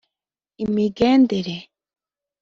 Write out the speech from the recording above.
imigendere